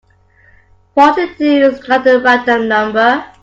Forty-two is not a random number.